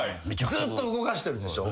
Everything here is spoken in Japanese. ずっと動かしてるでしょ。